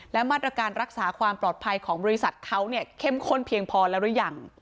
และมาตรการรักษาความปลอดภัยของบริษัทเขาเนี่ยเข้มข้นเพียงพอแล้วหรือยัง